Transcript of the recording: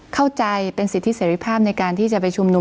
เข้าใจเป็นสิทธิเสรีภาพในการที่จะไปชุมนุม